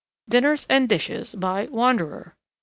Dinners and Dishes. By 'Wanderer.'